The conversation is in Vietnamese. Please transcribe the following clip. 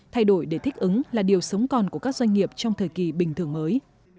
thay đổi để thích ứng là điều sống còn của các doanh nghiệp trong thời kỳ bình thường mới